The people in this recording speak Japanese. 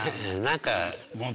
何か。